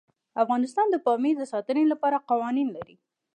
افغانستان د پامیر د ساتنې لپاره قوانین لري.